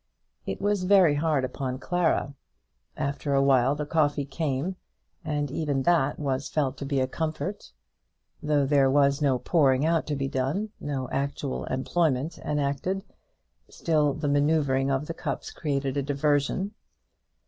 It was very hard upon Clara. After a while the coffee came, and even that was felt to be a comfort. Though there was no pouring out to be done, no actual employment enacted, still the manoeuvring of the cups created a diversion.